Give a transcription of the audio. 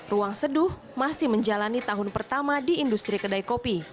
ruang seduh masih menjalani tahun pertama di industri kedai kopi